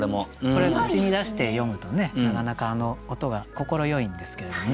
これ口に出して読むとねなかなか音が快いんですけれどもね。